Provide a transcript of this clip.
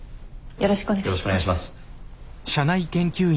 よろしくお願いします。